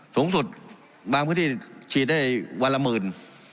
สูงสุดบางพื้นที่ฉีดได้วันละหมื่น